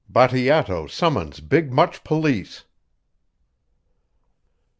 BATEATO SUMMONS BIG MUCH POLICE.